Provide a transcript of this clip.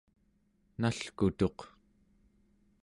nalkutuq